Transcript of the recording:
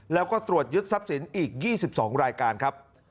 แล้วก็ตรวจยึดทรัพย์สินอีก๒๒รายการครับ